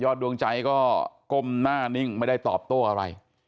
ดวงใจก็ก้มหน้านิ่งไม่ได้ตอบโต้อะไร